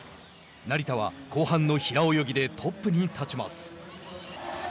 成田は後半の平泳ぎでトップに立ちます。